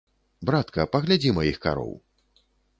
Братка, паглядзі маіх кароў.